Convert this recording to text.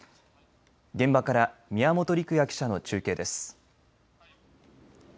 現場から宮本陸也記者の中継です。